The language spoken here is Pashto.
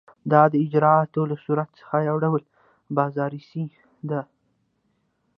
دا د اجرااتو له صورت څخه یو ډول بازرسي ده.